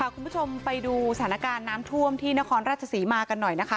คุณผู้ชมไปดูสถานการณ์น้ำท่วมที่นครราชศรีมากันหน่อยนะคะ